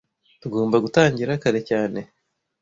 Tugomba gutangira kare cyane.